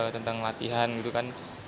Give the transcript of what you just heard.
tentang latihan gitu kan